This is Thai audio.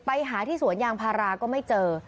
ไปหาที่สวนยางพาราก็ไม่เจอ